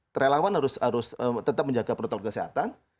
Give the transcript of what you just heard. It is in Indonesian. relawan harus tetap menjaga protokol kesehatan